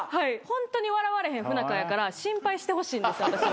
ホントに笑われへん不仲やから心配してほしいんです私は。